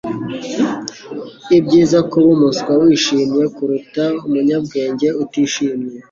Ibyiza kuba umuswa wishimye kuruta umunyabwenge utishimye.